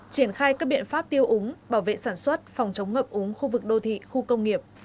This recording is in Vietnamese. triển khai các biện pháp tiêu úng bảo vệ sản xuất phòng chống ngập úng khu vực đô thị khu công nghiệp